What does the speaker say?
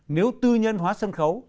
nếu tư nhân hóa sân khấu